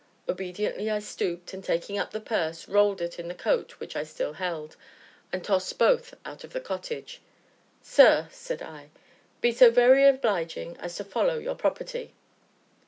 Obediently I stooped, and, taking up the purse, rolled it in the coat which I still held, and tossed both out of the cottage. "Sir," said I, "be so very obliging as to follow your property."